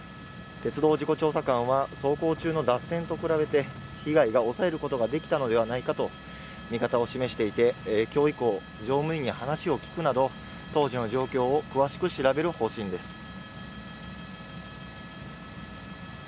鉄道事故調査官は走行中の脱線と比べて被害が抑えることができたのではないかと見方を示していて今日以降乗務員に話を聞くなど当時の状況を詳しく調べる方針です